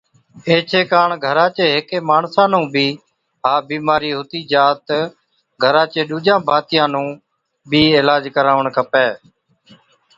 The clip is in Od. ايڇي ڪاڻ گھرا چي هيڪي ماڻسا نُون بِي ها بِيمارِي هُتِي جا تہ گھرا چي ڏُوجان ڀاتِيئان نُون بِي علاج ڪراوَڻ کپَي